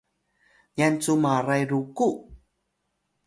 nyan cu maray ruku!